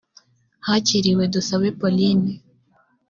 hakiriwe dusabe pauline.